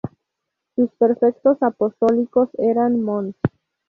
Sus prefectos apostólicos eran: Mons.